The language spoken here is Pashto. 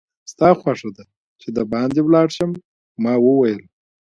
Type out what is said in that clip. ستا خوښه ده چې دباندې ولاړ شم؟ ما وویل.